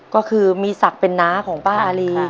ก็คือมีศักดิ์เป็นน้าของป้าอารี